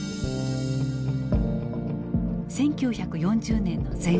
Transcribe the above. １９４０年の前半。